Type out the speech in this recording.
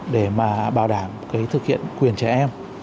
để mà bảo đảm cái thực hiện quyền trẻ em